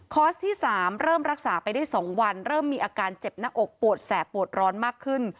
ที่๓เริ่มรักษาไปได้๒วันเริ่มมีอาการเจ็บหน้าอกปวดแสบปวดร้อนมากขึ้น